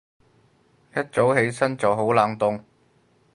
一早起身就好冷凍